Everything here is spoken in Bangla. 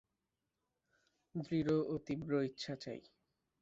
দৃঢ় ও তীব্র ইচ্ছা চাই।